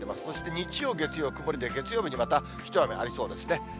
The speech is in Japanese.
そして日曜、月曜曇りで、月曜日にまた一雨ありそうですね。